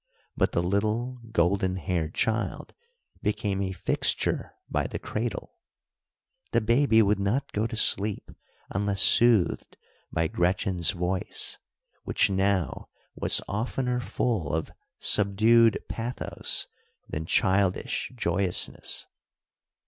But the little, golden haired child became a fixture by the cradle. The baby would not go to sleep unless soothed by Gretchen's voice, which now was oftener full of subdued pathos than childish joyousness.